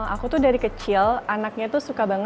aku tuh dari kecil anaknya tuh suka banget